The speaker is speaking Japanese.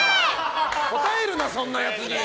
答えるな、そんなやつに！